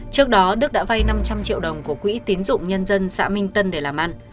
trước đó đức đã vay năm trăm linh triệu đồng của quỹ tín dụng nhân dân xã minh tân để làm ăn